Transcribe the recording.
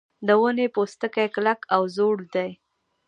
د ونې پوستکی کلک او زوړ دی.